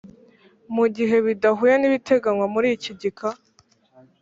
igihe bidahuye n'ibiteganywa muri iki gika